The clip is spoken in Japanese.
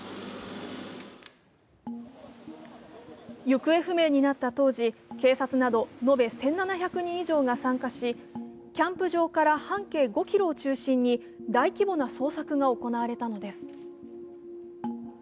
行方不明になった当時、警察など延べ１７００人以上が参加しキャンプ場から半径５ｋｍを中心に大規模な捜索が行われたのです。